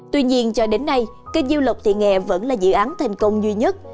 tuy nhiên cho đến nay kênh nhiêu lộc thì nghe vẫn là dự án thành công duy nhất